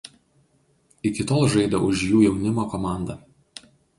Iki tol žaidė už jų jaunimo komandą.